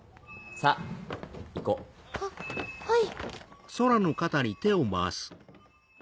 さぁ行こう。ははい。